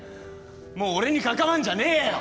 もう俺に関わんじゃねえよ。